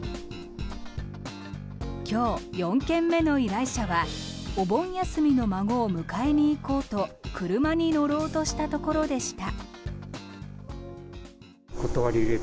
今日４件目の依頼者はお盆休みの孫を迎えに行こうと車に乗ろうとしたところでした。